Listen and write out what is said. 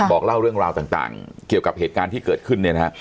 บอกเล่าเรื่องราวต่างเกี่ยวกับเหตุการณ์ที่เกิดขึ้นเนี่ยนะฮะ